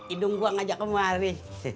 indung gua ngajak kemari